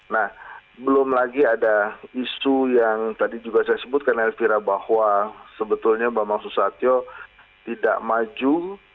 nah belum lagi ada isu yang tadi juga saya sebutkan elvira bahwa sebetulnya bambang susatyo tidak maju